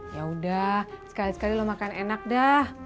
ya udah sekali sekali lo makan enak dah